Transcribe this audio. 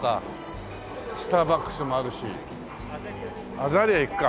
アザリア行くか。